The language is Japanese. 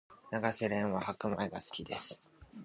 永瀬廉は白米が好きです